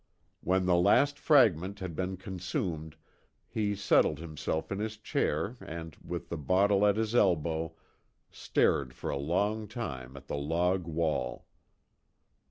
When the last fragment had been consumed he settled himself in his chair and, with the bottle at his elbow, stared for a long time at the log wall.